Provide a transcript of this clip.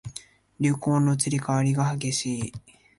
流行の移り変わりが激しい